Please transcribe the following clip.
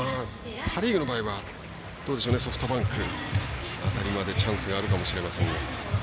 パ・リーグの場合はソフトバンク辺りまでチャンスがあるかもしれませんが。